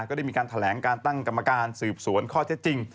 ก็ได้มีการแถลงการตั้งกรรมการสืบสวนข้อเท็จจริง